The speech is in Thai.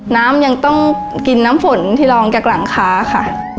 น้ำยังต้องกินน้ำฝนที่ลองจากหลังคาค่ะ